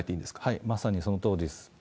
はい、まさにそのとおりです。